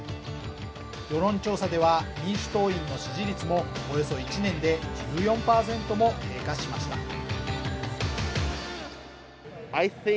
世論調査では、民主党員の支持率もおよそ１年で１４％も低下しました。